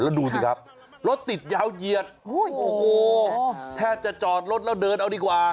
แล้วดูสิครับรถติดยาวเหยียดโอ้โหแทบจะจอดรถแล้วเดินเอาดีกว่า